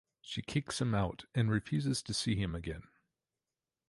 She kicks him out and refuses to see him again.